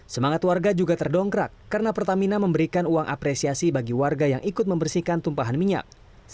semangat warga juga terdongkrak karena pertamina memberikan uang apresiasi bagi warga yang ikut membersihkan tumpahan minyak